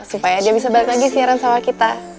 supaya dia bisa balik lagi siaran sama kita